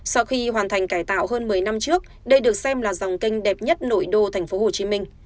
sau khi hoàn thành cải tạo hơn một mươi năm trước đây được xem là dòng canh đẹp nhất nội đô tp hcm